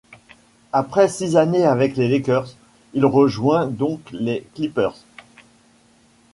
Après six années avec les Lakers, il rejoint donc les Clippers.